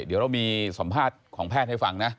เดี๋ยวเรามีสัมภาษณ์ของแพทย์ให้ฟังนะ